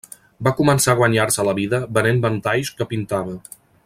Va començar a guanyar-se la vida venent ventalls que pintava.